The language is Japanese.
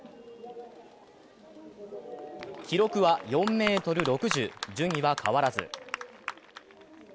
記録は４ｍ６０、順位は変わらず。